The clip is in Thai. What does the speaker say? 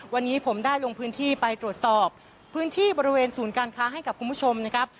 วันนี้ผมได้ลงพื้นที่ไปตรวจสอบพื้นที่บริเวณศูนย์การค้าให้กับคุณผู้ชมนะครับ